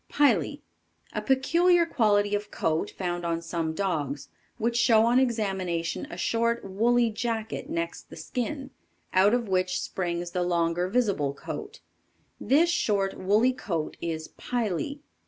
Pily. A peculiar quality of coat found on some dogs, which show on examination a short woolly jacket next the skin, out of which springs the longer visible coat. This short woolly coat is "pily."